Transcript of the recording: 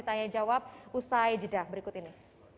tanya jawab usai jeda berikut ini